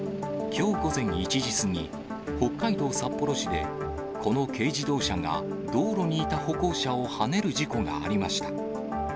きょう午前１時過ぎ、北海道札幌市で、この軽自動車が道路にいた歩行者をはねる事故がありました。